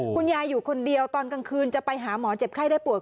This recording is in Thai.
คุณยายอยู่คนเดียวตอนกลางคืนจะไปหาหมอเจ็บไข้ได้ปวด